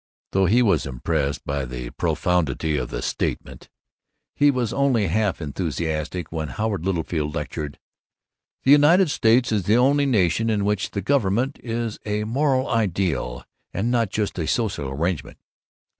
Though he was impressed by the profundity of the statement, he was only half enthusiastic when Howard Littlefield lectured, "The United States is the only nation in which the government is a Moral Ideal and not just a social arrangement."